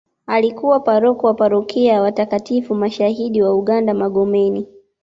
Alikuwa paroko wa parokia ya watakatifu mashahidi wa uganda Magomeni